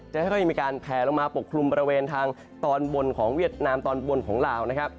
ค่อยมีการแผลลงมาปกคลุมบริเวณทางตอนบนของเวียดนามตอนบนของลาวนะครับ